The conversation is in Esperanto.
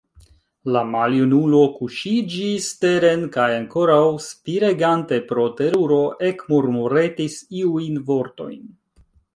La maljunulo kuŝiĝis teren kaj, ankoraŭ spiregante pro teruro, ekmurmuretis iujn vortojn.